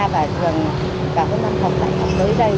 và thường cả cái năm học đại học tới đây